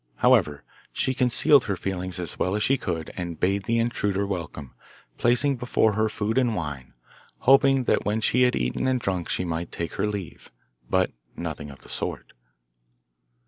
However, she concealed her feelings as well as she could, and bade the intruder welcome, placing before her food and wine, hoping that when she had eaten and drunk she might take her leave. But nothing of the sort.